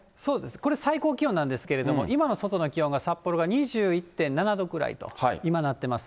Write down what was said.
これ、最高気温なんですけれども、今の外の気温が、札幌が２１．７度ぐらいと、今なってます。